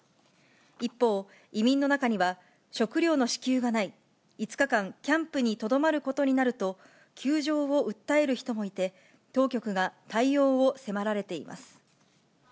一方、移民の中には食料の支給がない、５日間、キャンプにとどまることになると、窮状を訴える人もいて、当局が対応を迫られています。